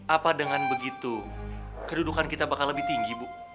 apa dengan begitu kedudukan kita bakal lebih tinggi bu